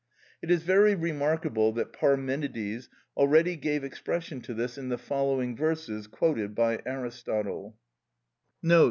It is very remarkable that Parmenides already gave expression to this in the following verses, quoted by Aristotle (Metaph.